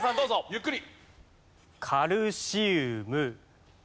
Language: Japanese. ゆっくり！